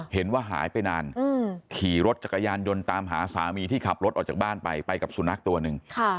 เห็นว่าหายไปนานขี่รถจักรยานยนต์ตามหาสามีที่ขับรถออกจากบ้านไปไปกับสุนัขตัวหนึ่ง